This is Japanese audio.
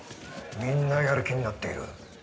「みんなやる気になっている。